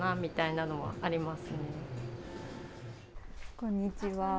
こんにちは。